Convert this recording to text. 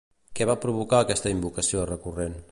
Què va provocar aquesta invocació recurrent?